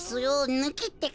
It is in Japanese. ぬきってか。